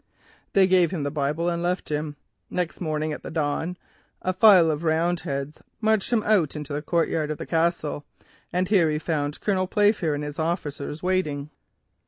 "They gave him the Bible and left him. Next morning at the dawn, a file of Roundheads marched him into the courtyard of the Castle and here he found Colonel Playfair and his officers waiting.